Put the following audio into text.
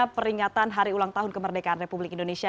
peringatan hari ulang tahun kemerdekaan republik indonesia